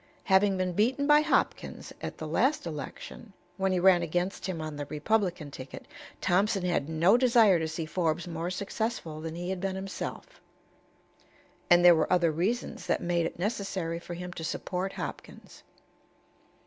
Having been beaten by Hopkins at the last election, when he ran against him on the Republican ticket, Thompson had no desire to see Forbes more successful than he had been himself. And there were other reasons that made it necessary for him to support Hopkins.